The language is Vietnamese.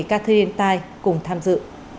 catherine tai cùng tham dự